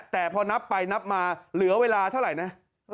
แต่พอนับไปนับมาเหลือเวลาเท่าไหร่นะ